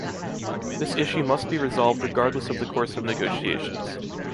This issue must be resolved regardless of the course of negotiations.